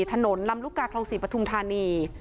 ลำลูกกาคลอง๔ปทุมธานี